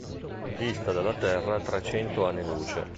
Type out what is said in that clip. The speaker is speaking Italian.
Dista dalla Terra trecento anni luce.